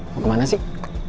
mau kemana sih